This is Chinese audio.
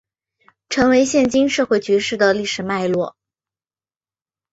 成就现今社会局势的历史脉络